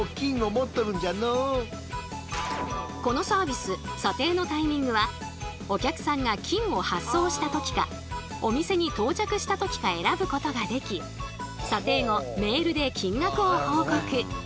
このサービス査定のタイミングはお客さんが金を発送した時かお店に到着した時か選ぶことができ査定後メールで金額を報告。